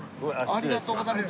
ありがとうございます。